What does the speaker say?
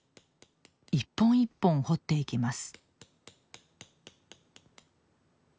一本一本彫っていきます